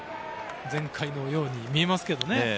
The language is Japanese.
全快のように見えますけどね。